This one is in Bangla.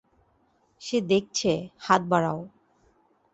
সে দেখছে, হাত বাড়াও।